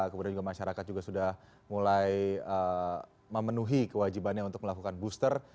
kemudian juga masyarakat juga sudah mulai memenuhi kewajibannya untuk melakukan booster